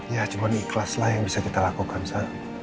ya cuman ikhlas lah yang bisa kita lakukan sa